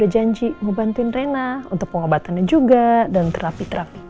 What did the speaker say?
janji membantuin rena untuk pengobatannya juga dan terapi terapinya ya